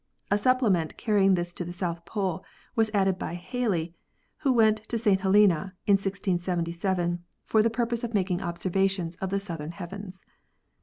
A supplement carrying this to the South Pole was added by Halley, who went to St. Helena in 1677 for the purpose of making observations of the southern heavens.